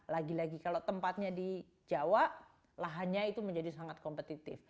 lagi lagi kalau tempatnya di jawa lahannya itu menjadi sangat kompetitif